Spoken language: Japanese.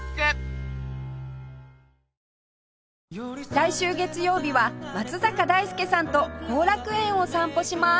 来週月曜日は松坂大輔さんと後楽園を散歩します